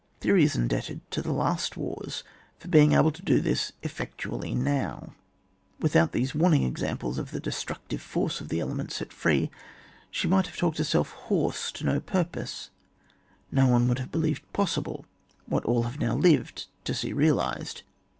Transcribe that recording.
Theory is indebted to the last wars for being able to do this effectually now. Without these warning examples of the destructive force of the element set free, she might have talked herself hoarse to no purpose ; no one would have believed possible what all have now lived to see realised.